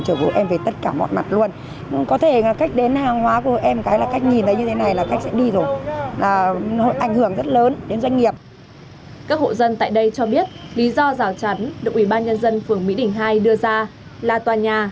các hộ dân tại đây cho biết lý do rào chắn được ủy ban nhân dân phường mỹ đỉnh hai đưa ra là tòa nhà